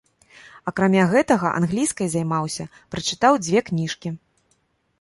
Акрамя гэтага англійскай займаўся, прачытаў дзве кніжкі.